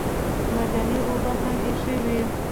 معدني اوبه هم ایښې وې.